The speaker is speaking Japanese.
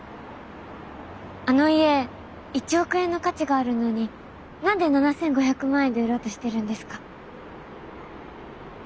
あの家１億円の価値があるのに何で７，５００万円で売ろうとしてるんですか？